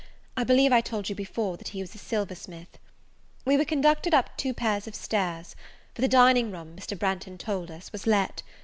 I believe I told you before, that he is a silver smith. We were conducted up two pairs of stairs: for the dining room, Mr. Branghton told us, was let.